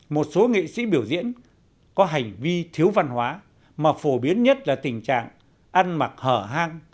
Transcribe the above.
một số nghệ sĩ biểu diễn có hành vi thiếu văn hóa mà phổ biến nhất là tình trạng ăn mặc hở hang